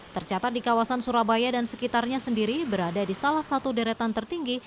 tercatat di kawasan surabaya dan sekitarnya sendiri berada di salah satu deretan tertinggi